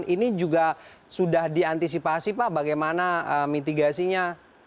ini juga sudah diantisipasi pak bagaimana mitigasinya